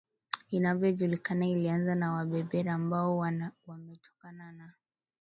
inayojulikana ilianza na Waberber ambao wametokana na